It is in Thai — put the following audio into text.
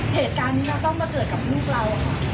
เหตุการณ์จะต้องมาเกิดกับลูกเราอะ